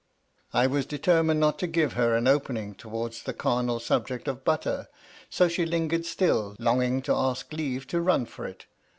"I was determined not to give her an opening towards the carnal subject of butter, so she lingered still, longing to ask leave to run for it.